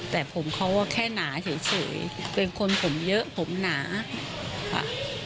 แต่ผมเขาแค่หนาเฉยเป็นคนผมเยอะผมหนาค่ะ